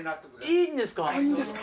いいんですか？